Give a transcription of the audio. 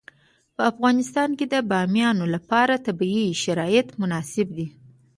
په افغانستان کې د بامیان لپاره طبیعي شرایط مناسب دي.